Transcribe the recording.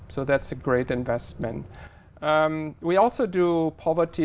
nhiều vấn đề này